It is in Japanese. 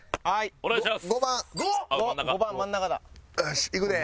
お願いします！